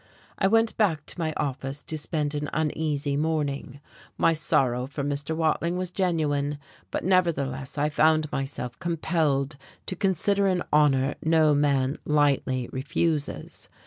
I went back to my office to spend an uneasy morning. My sorrow for Mr. Watling was genuine, but nevertheless I found myself compelled to consider an honour no man lightly refuses.